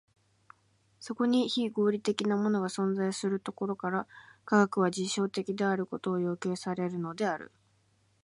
そこに非合理的なものが存在するところから、科学は実証的であることを要求されるのである。